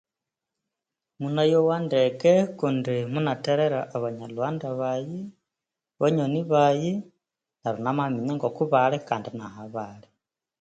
Munayowa ndeke kundi munatherera abanyalhughanda baghe banywani baghe Kandi namaminya ndeke ngokobali